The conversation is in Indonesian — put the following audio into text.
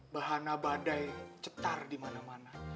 bahana badai cetar dimana mana